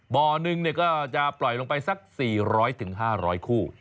บ่อนึงก็จะปล่อยลงไปสัก๔๐๐๕๐๐คู่